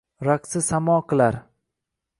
raqsi samo qilar